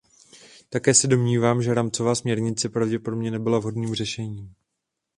Také se domnívám, že rámcová směrnice pravděpodobně nebyla vhodným řešením.